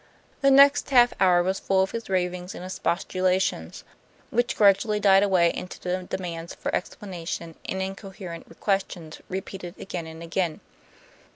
The next half hour was full of his ravings and expostulations, which gradually died away into demands for explanation and incoherent questions repeated again and again.